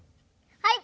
はい。